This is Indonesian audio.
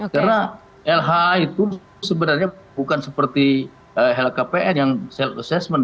karena lha itu sebenarnya bukan seperti lkpn yang self assessment